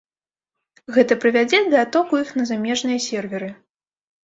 Гэта прывядзе да адтоку іх на замежныя серверы.